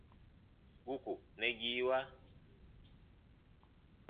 Wuku nɛgiiwa.